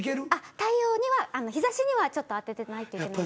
太陽には日ざしにはちょっと当ててないといけない。